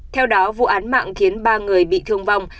theo đó vụ án mạng khiến ba người bị thương vong